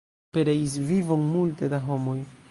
Pereis vivon multe da homoj.